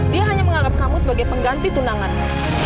dia hanya menganggap kamu sebagai pengganti tunangannya